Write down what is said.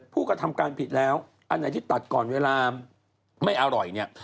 ผู้กระทำการผิดแล้วอันไหนที่ตัดก่อนเวลาไม่อร่อยเนี่ย